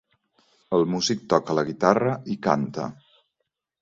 El músic toca la guitarra i canta.